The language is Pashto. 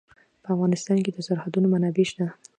په افغانستان کې د سرحدونه منابع شته.